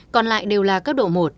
còn lại đều là cấp độ một